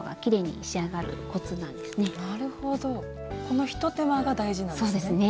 この一手間が大事なんですね。